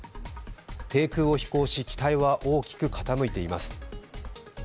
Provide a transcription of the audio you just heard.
低空を飛行し、機体は大きく傾いています。